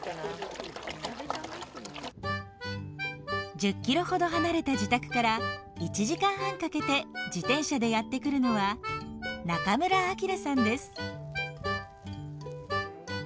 １０キロほど離れた自宅から１時間半かけて自転車でやって来るのは中村章さんです。